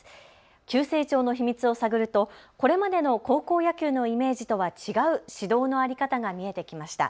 急成長の秘密を探るとこれまでの高校野球のイメージとは違う指導の在り方が見えてきました。